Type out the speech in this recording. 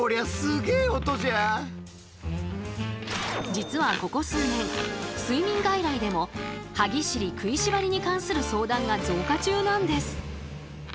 実はここ数年睡眠外来でも歯ぎしり・食いしばりに関する相談が増加中なんです。